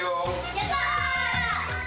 やったー！